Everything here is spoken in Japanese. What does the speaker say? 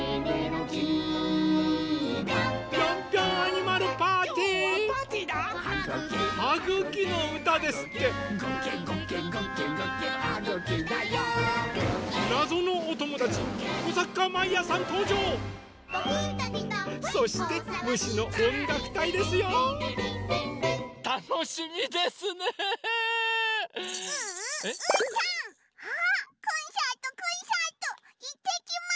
キャハ！コンサートコンサート！いってきます！